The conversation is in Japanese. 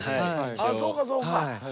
あそうかそうか。